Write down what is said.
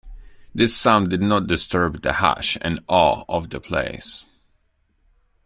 This sound did not disturb the hush and awe of the place.